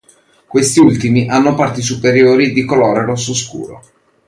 Questi ultimi hanno parti superiori di colore rosso scuro.